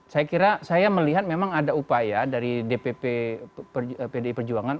saya kira saya melihat memang ada upaya dari dpp pdi perjuangan